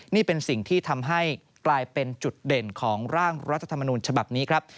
นี่เป็นสิ่งที่ทำให้กลายเป็นจุดเด่นของร่างรัฐธรรมนูญฉบับนี้ครับ